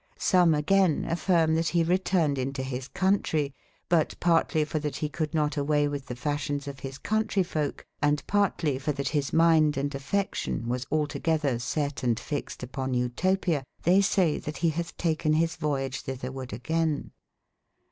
Some agayne afftrme, that he re tomedinto his countrey, but partly for that he coulde not away with the fash ions of his countrey folh, and partly for that his minde & affection was altogeth er set & fixed upon Cltopia, they say that he hathe taken his voyage thetherwarde agayne.